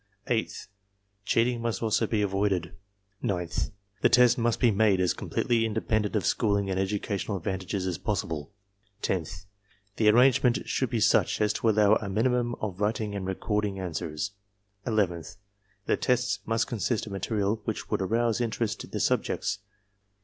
Eighth, cheat ing must also be avoided. Ninth, the test must be made ar*^ completely independent of schooling and educational advantages as possible. Tenth, the arrangement should be such as to allow a minimum of writing in recording answers. Eleventh, the tests^ must consist of material which would arouse interest in the subjects.